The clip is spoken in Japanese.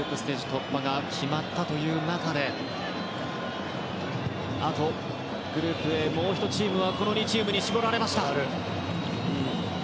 突破が決まった中であとグループＡ、もう１チームはこの２チームに絞られました。